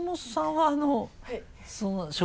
はい。